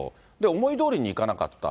思いどおりにいかなかった。